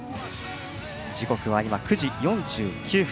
時刻は９時４９分。